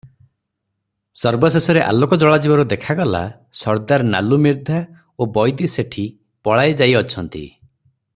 ସର୍ବଶେଷରେ ଆଲୋକ ଜଳା ଯିବାରୁ ଦେଖାଗଲା, ସରଦାର ନାଲୁମିର୍ଦ୍ଧା ଓ ବୈଦି ଶେଠୀ ପଳାଇ ଯାଇଅଛନ୍ତି ।